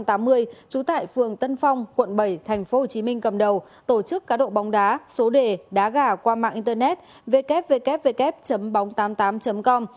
trú tại phường tân phong quận bảy tp hcm cầm đầu tổ chức cá độ bóng đá số đề đá gà qua mạng internet ww tám mươi tám com